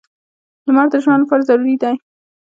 • لمر د ژوند لپاره ضروري دی.